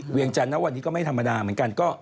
จันทร์นะวันนี้ก็ไม่ธรรมดาเหมือนกัน